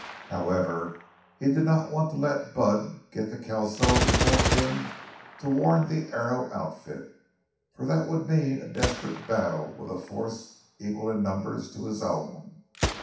However, he did not want to let Bud get to Kelso before him to warn the Arrow outfit; for that would mean a desperate battle with a force equal in numbers to his own.